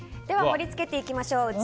では盛り付けていきましょう。